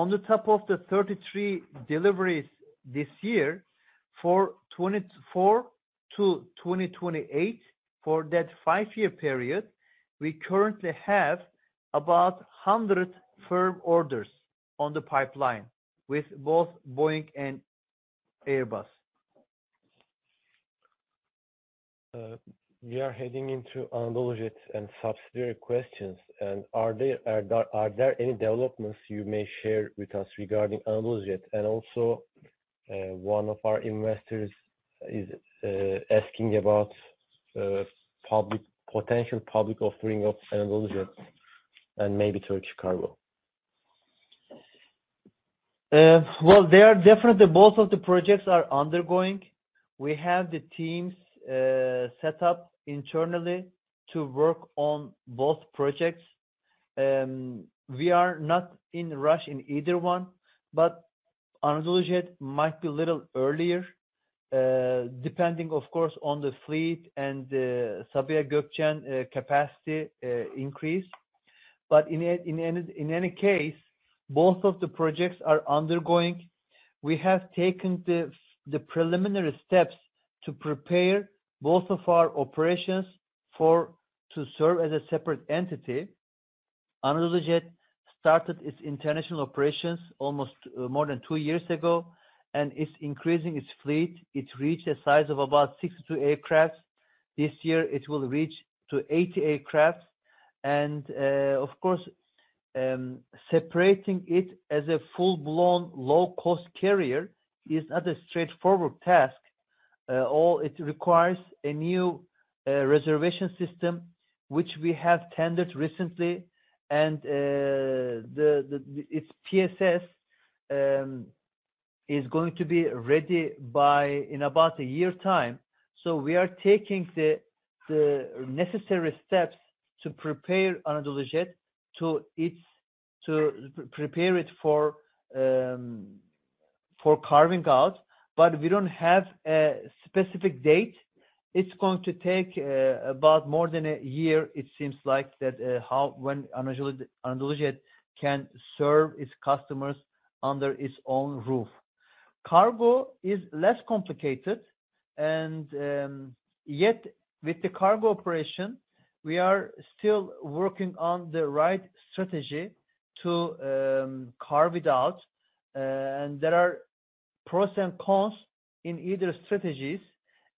Speaker 2: On the top of the 33 deliveries this year for 2024 to 2028, for that five-year period, we currently have about 100 firm orders on the pipeline with both Boeing and Airbus.
Speaker 3: We are heading into AnadoluJet and subsidiary questions. Are there any developments you may share with us regarding AnadoluJet? Also, one of our investors is asking about potential public offering of AnadoluJet and maybe Turkish Cargo.
Speaker 2: Well, they are definitely both of the projects are undergoing. We have the teams set up internally to work on both projects. We are not in rush in either one, AnadoluJet might be a little earlier, depending of course on the fleet and the Sabiha Gökçen capacity increase. In any case, both of the projects are undergoing. We have taken the preliminary steps to prepare both of our operations to serve as a separate entity. AnadoluJet started its international operations almost more than two years ago. It's increasing its fleet. It reached a size of about 62 aircraft. This year it will reach to 80 aircraft. Of course, separating it as a full-blown low-cost carrier is not a straightforward task. All it requires a new reservation system, which we have tendered recently, and its PSS is going to be ready by in about a year time. We are taking the necessary steps to prepare AnadoluJet to prepare it for carving out, but we don't have a specific date. It's going to take about more than a year it seems like that how when AnadoluJet can serve its customers under its own roof. Cargo is less complicated and yet with the cargo operation, we are still working on the right strategy to carve it out. There are pros and cons in either strategies.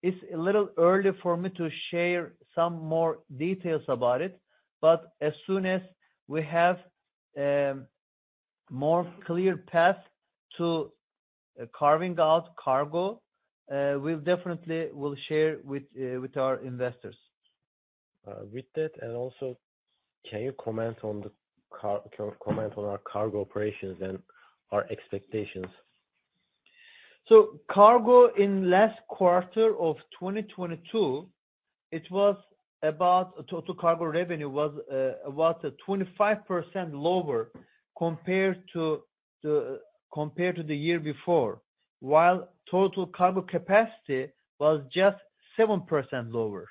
Speaker 2: It's a little early for me to share some more details about it, but as soon as we have, more clear path to carving out cargo, we'll definitely share with our investors.
Speaker 3: With that, can you comment on our cargo operations and our expectations?
Speaker 2: Cargo in last quarter of 2022, it was about, total cargo revenue was about a 25% lower compared to the year before, while total cargo capacity was just 7% lower.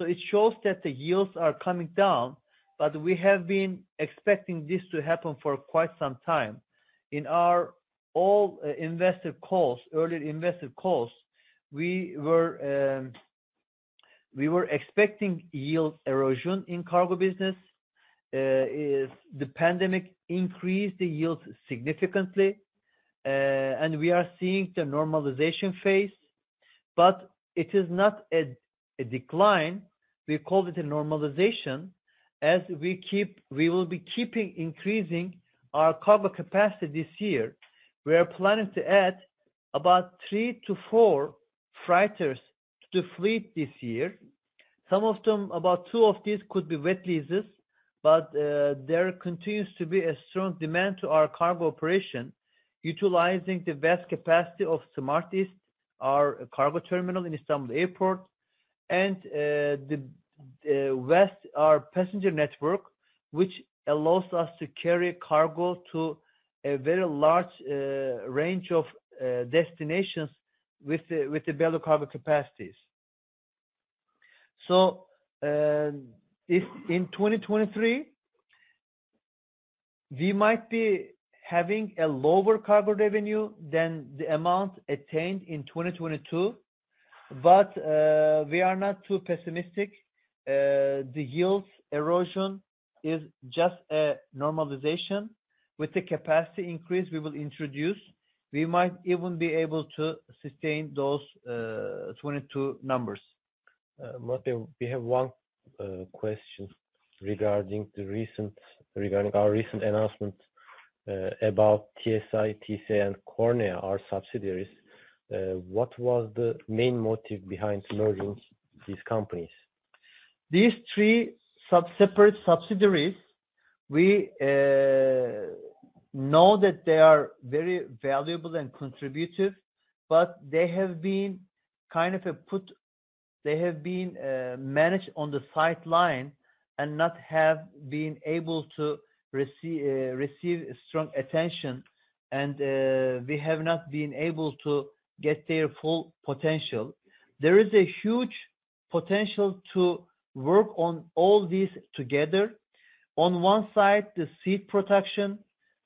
Speaker 2: It shows that the yields are coming down, but we have been expecting this to happen for quite some time. In our all investor calls, earlier investor calls, we were expecting yield erosion in cargo business. If the pandemic increased the yields significantly, and we are seeing the normalization phase, but it is not a decline. We call it a normalization. As we will be keeping increasing our cargo capacity this year. We are planning to add about three to four freighters to fleet this year. Some of them, about two of these could be wet leases, there continues to be a strong demand to our cargo operation utilizing the vast capacity of SMARTIST, our cargo terminal in Istanbul Airport, and the vast, our passenger network, which allows us to carry cargo to a very large range of destinations with the belly cargo capacities. If in 2023, we might be having a lower cargo revenue than the amount attained in 2022, we are not too pessimistic. The yields erosion is just a normalization. With the capacity increase we will introduce, we might even be able to sustain those 22 numbers.
Speaker 3: Murat, we have one question regarding our recent announcement about TSI, TCI and Cornea, our subsidiaries. What was the main motive behind merging these companies?
Speaker 2: These three sub-separate subsidiaries, we know that they are very valuable and contributive, but they have been managed on the sideline and not have been able to receive strong attention and we have not been able to get their full potential. There is a huge potential to work on all these together. On one side, the seat production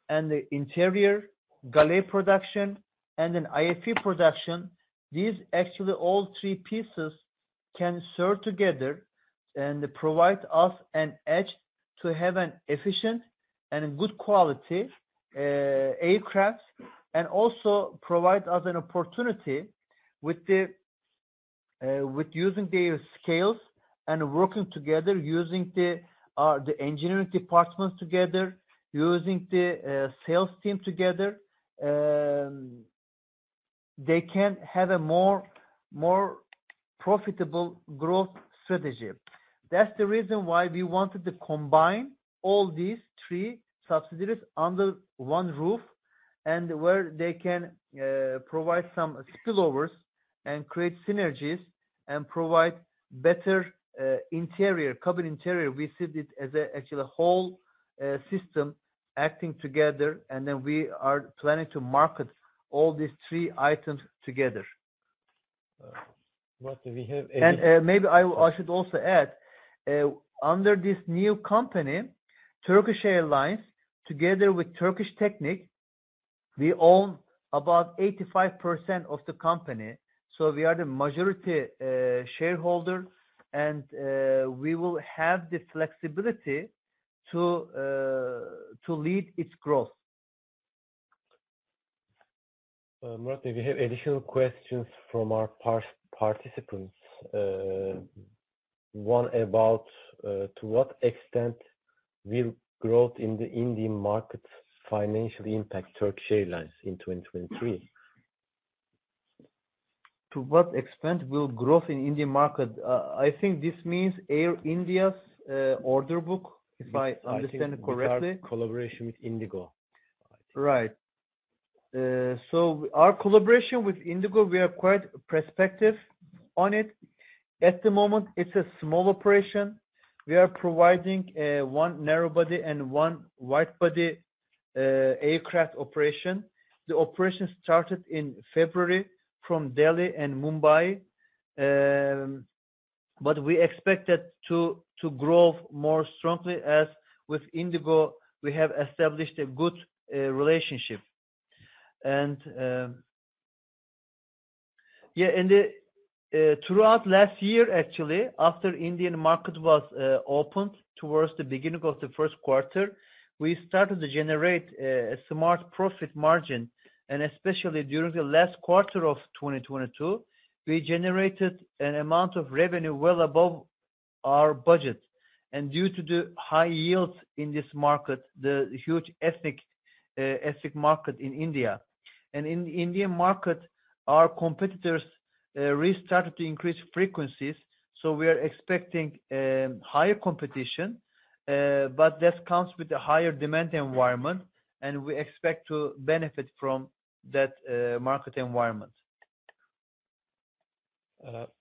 Speaker 2: and the interior galley production, then IFE production. These actually all three pieces can serve together and provide us an edge to have an efficient and good quality aircraft, and also provide us an opportunity with using the scales and working together using the engineering departments together, using the sales team together. They can have a more profitable growth strategy. That's the reason why we wanted to combine all these three subsidiaries under one roof, and where they can provide some spillovers and create synergies, and provide better interior, cabin interior. We see it as actually a whole system acting together, and then we are planning to market all these three items together.
Speaker 3: Murat.
Speaker 2: Maybe I should also add, under this new company, Turkish Airlines, together with Turkish Technic, we own about 85% of the company. We are the majority shareholder, and we will have the flexibility to lead its growth.
Speaker 3: Murat, we have additional questions from our part-participants. One about, to what extent will growth in the Indian market financially impact Turkish Airlines in 2023?
Speaker 2: To what extent will growth in Indian market... I think this means Air India's order book, if I understand correctly.
Speaker 3: I think regarding collaboration with IndiGo.
Speaker 2: Our collaboration with IndiGo, we are quite prospective on it. At the moment, it's a small operation. We are providing one narrow-body and one wide-body aircraft operation. The operation started in February from Delhi and Mumbai, we expect it to grow more strongly, as with IndiGo, we have established a good relationship. Throughout last year, actually, after Indian market was opened towards the beginning of the first quarter, we started to generate a smart profit margin. Especially during the last quarter of 2022, we generated an amount of revenue well above our budget, due to the high yields in this market, the huge ethnic market in India. In Indian market, our competitors restarted to increase frequencies, so we are expecting higher competition, but that comes with a higher demand environment, and we expect to benefit from that market environment.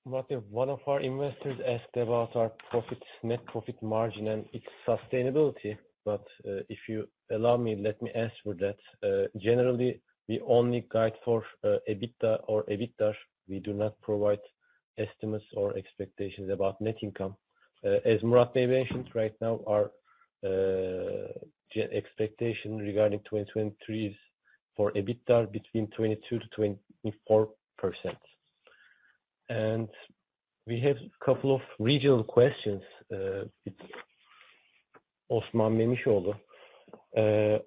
Speaker 3: Murat, one of our investors asked about our profits, net profit margin and its sustainability. If you allow me, let me answer that. Generally, we only guide for EBITDA or EBITDAR. We do not provide estimates or expectations about net income. As Murat mentioned right now our expectation regarding 2023 is for EBITDAR between 22%-24%. We have couple of regional questions with Osman Memisoglu.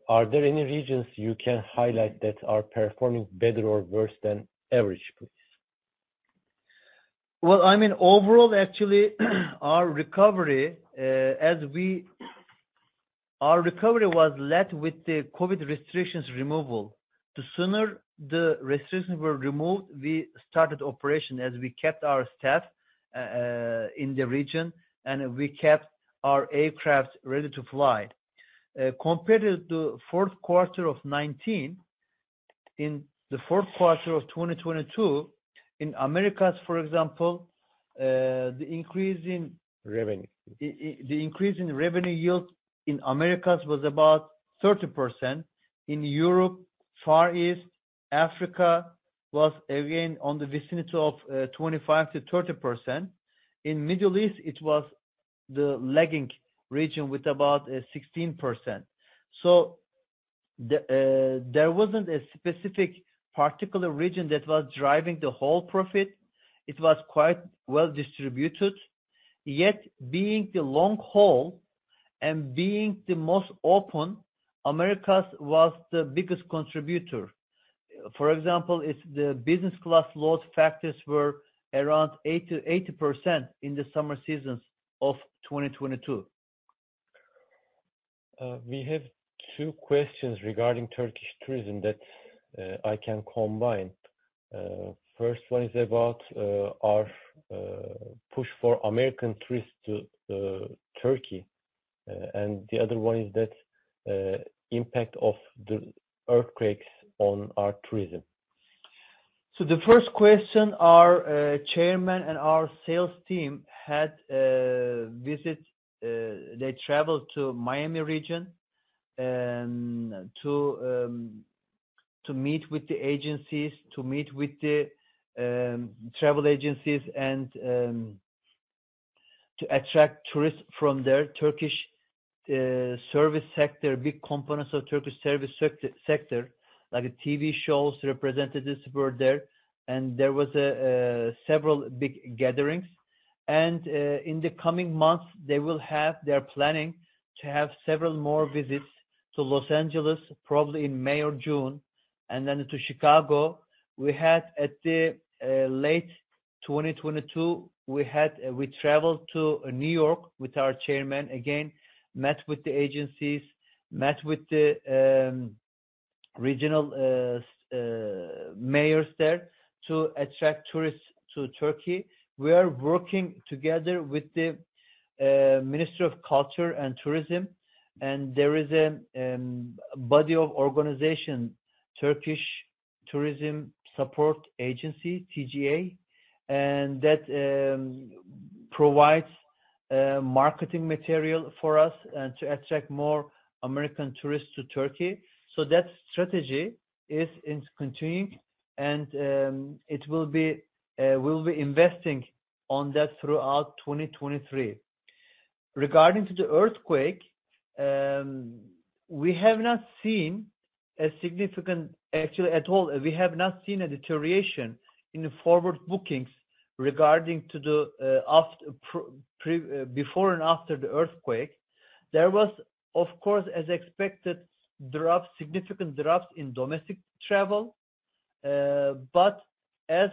Speaker 3: Are there any regions you can highlight that are performing better or worse than average, please?
Speaker 2: Well, I mean, overall, actually, our recovery was led with the COVID restrictions removal. The sooner the restrictions were removed, we started operation as we kept our staff in the region, and we kept our aircraft ready to fly. Compared to fourth quarter of 2019, in the fourth quarter of 2022, in Americas, for example, the increase in.
Speaker 3: Revenue.
Speaker 2: The increase in revenue yield in Americas was about 30%. In Europe, Far East, Africa was again on the vicinity of 25%-30%. In Middle East, it was the lagging region with about 16%. There wasn't a specific particular region that was driving the whole profit. It was quite well distributed. Yet, being the long haul and being the most open, Americas was the biggest contributor. For example, its business class load factors were around 8%-80% in the summer seasons of 2022.
Speaker 3: We have two questions regarding Turkish tourism that I can combine. First one is about our push for American tourists to Türkiye. The other one is that impact of the earthquakes on our tourism.
Speaker 2: The first question, our Chairman and our sales team traveled to Miami region, to meet with the agencies, to meet with the travel agencies and to attract tourists from there. Turkish service sector, big components of Turkish service sector, like TV shows representatives were there, and there was a several big gatherings. In the coming months, they're planning to have several more visits to Los Angeles, probably in May or June, and then to Chicago. We had at the late 2022, we traveled to New York with our Chairman again, met with the agencies, met with the regional mayors there to attract tourists to Türkiye. We are working together with the Ministry of Culture and Tourism, and there is a body of organization, Türkiye Tourism Promotion and Development Agency, TGA, and that provides marketing material for us and to attract more American tourists to Türkiye. That strategy is in continuing and it will be, we'll be investing on that throughout 2023. Regarding to the earthquake, Actually at all, we have not seen a deterioration in the forward bookings regarding to the before and after the earthquake. There was, of course, as expected, drops, significant drops in domestic travel. As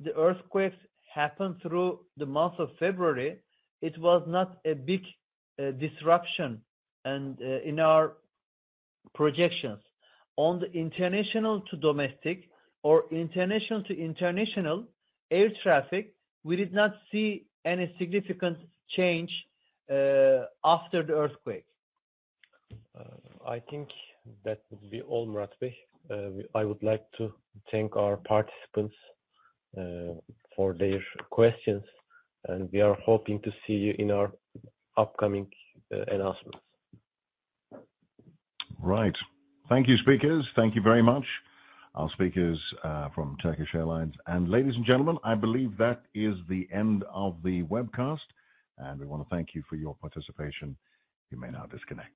Speaker 2: the earthquakes happened through the month of February, it was not a big disruption and in our projections. On the international to domestic or international to international air traffic, we did not see any significant change after the earthquake.
Speaker 3: I think that would be all, Murat Bey. I would like to thank our participants, for their questions. We are hoping to see you in our upcoming announcements.
Speaker 1: Right. Thank you, speakers. Thank you very much. Our speakers from Turkish Airlines. Ladies and gentlemen, I believe that is the end of the webcast, and we wanna thank you for your participation. You may now disconnect.